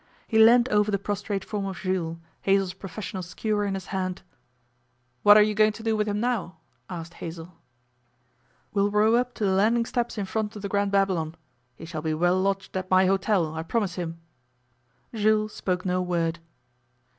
He leaned over the prostrate form of Jules, Hazell's professional skewer in his hand. 'What are you going to do with him now?' asked Hazell. 'We'll row up to the landing steps in front of the Grand Babylon. He shall be well lodged at my hotel, I promise him.' Jules spoke no word.